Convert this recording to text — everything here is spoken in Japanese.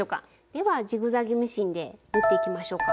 ではジグザグミシンで縫っていきましょうか。